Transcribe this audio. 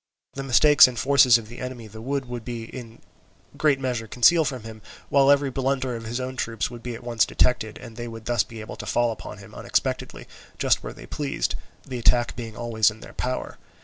The mistakes and forces of the enemy the wood would in a great measure conceal from him, while every blunder of his own troops would be at once detected, and they would be thus able to fall upon him unexpectedly just where they pleased, the attack being always in their power.